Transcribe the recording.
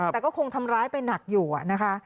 แต่ก็คงทำร้ายไปหนักอยู่นะคะ